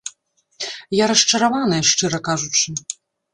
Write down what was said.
Я расчараваная, шчыра кажучы.